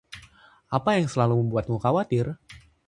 Apa yang selalu membuatmu khawatir?